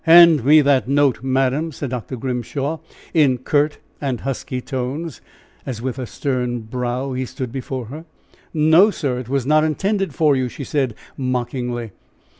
"Hand me that note, madam!" said Dr. Grimshaw, in curt and husky tones, as, with stern brow, he stood before her. "No, sir! it was not intended for you," she said, mockingly.